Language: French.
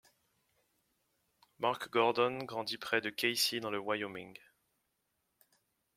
Mark Gordon grandit près de Kaycee dans le Wyoming.